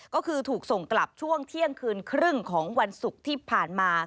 ก็คือถูกส่งกลับช่วงเที่ยงคืนครึ่งของวันศุกร์ที่ผ่านมา